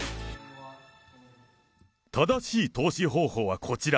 正しい投資方法はこちら！